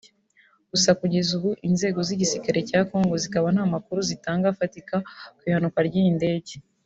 Gusa kugeza ubu inzego z’igisirikare cya Congo zikaba nta makuru zitanga afatika ku ihanuka ry’iyi ndege